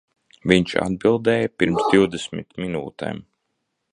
Viņš atbildēja pirms divdesmit minūtēm.